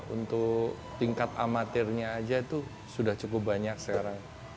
untuk tingkat amatirnya aja itu sudah cukup banyak sekarang